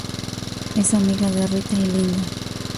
Es amiga de Rita y Linda.